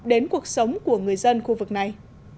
đến cuộc sống của người dân khu vực này